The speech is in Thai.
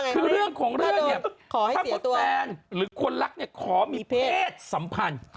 คือเรื่องของเรื่องเนี่ยถ้ามดแฟนหรือคนรักเนี่ยขอมีเพศสัมพันธ์